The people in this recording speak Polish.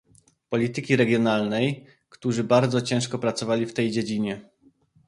Polityki Regionalnej, którzy bardzo ciężko pracowali w tej dziedzinie